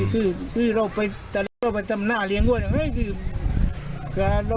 คือเราไปตรงนี้เราไปทำหน้าเลี้ยงด้วยคือเรา